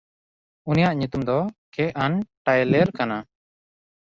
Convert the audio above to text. ᱩᱱᱤᱭᱟᱜ ᱧᱩᱛᱩᱢ ᱫᱚ ᱠᱮᱜᱟᱱᱼᱴᱭᱞᱮᱨ ᱠᱟᱱᱟ᱾